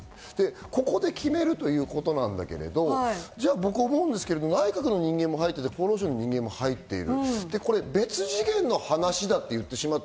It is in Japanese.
ここで決めるということなんだけど、内閣の人間も入っていて厚労省の人間も入っている。